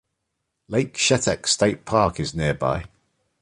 Lake Shetek State Park is nearby.